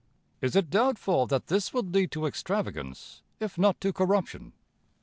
Is it doubtful that this would lead to extravagance, if not to corruption?